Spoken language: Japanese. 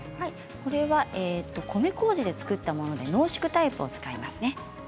これは米こうじで造った濃縮タイプを使いますね。